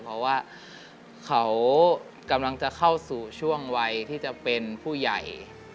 เพราะว่าเขากำลังจะเข้าสู่ช่วงวัยที่จะเป็นผู้ใหญ่